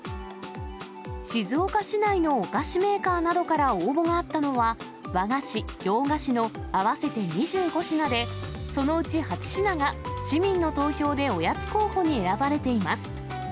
静岡市内のお菓子メーカーなどから応募があったのは、和菓子、洋菓子の合わせて２５品で、そのうち８品が市民の投票でおやつ候補に選ばれています。